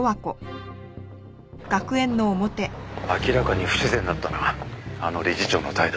明らかに不自然だったなあの理事長の態度。